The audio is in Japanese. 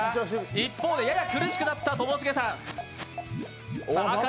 一方でやや苦しくなったともしげさん。